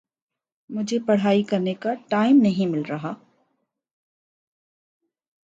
مجھے پڑھائی کرنے کا ٹائم نہیں مل رہا